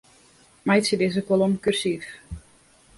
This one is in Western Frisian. Meitsje dizze kolom kursyf.